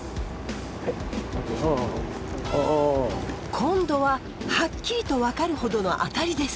今度ははっきりと分かるほどのアタリです。